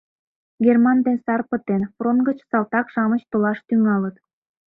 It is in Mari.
Герман ден сар пытен, фронт гыч салтак-шамыч толаш тӱҥалыт.